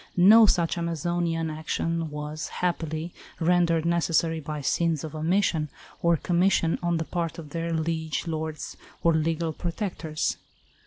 No such Amazonian action was, happily, rendered necessary by sins of omission or commission on the part of their liege lords or legal protectors.